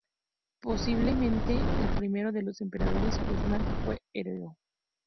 Posiblemente, el primero de los emperadores kushán fue Hereo.